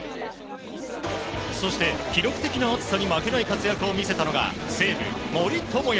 そして、記録的な暑さに負けない活躍を見せたのが西武、森友哉。